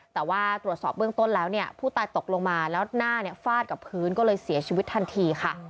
แต่ว่าตรวจสอบเบื้องต้นแล้วเนี่ยผู้ตายตกลงมาแล้วหน้าฟาดกับพื้นก็เลยเสียชีวิตทันทีค่ะ